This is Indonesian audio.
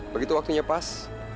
begitu waktunya pas